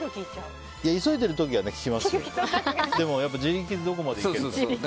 急いでいる時は聞きますけどでも、自力でどこまでいけるかって。